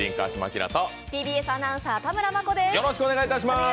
ＴＢＳアナウンサー、田村真子です。